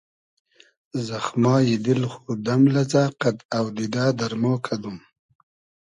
زئخمای دیل خو دئم لئزۂ قئد اۆدیدۂ دئرمۉ کئدوم